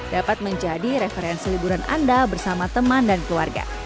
dapat menjadi referensi liburan anda bersama teman dan keluarga